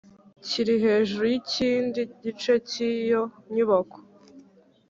kiri hejuru y ikindi gice cy iyo nyubako